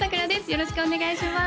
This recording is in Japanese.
よろしくお願いします